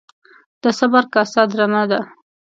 ـ د صبر کاسه درنه ده.